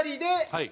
はい。